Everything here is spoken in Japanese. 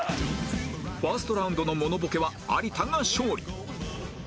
ファーストラウンドのモノボケは有田が勝利